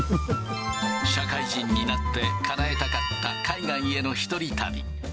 社会人になってかなえたかった海外への１人旅。